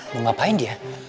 mau ngapain dia